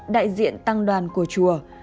đại diện tăng đoàn của chùa